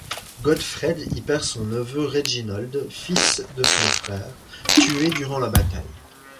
Godfred y perd son neveu Reginold, fils de son frère, tué durant la bataille.